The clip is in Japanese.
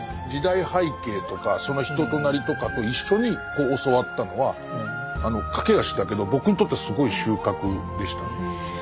時代背景とかその人となりとかと一緒に教わったのは駆け足だけど僕にとってはすごい収穫でしたね。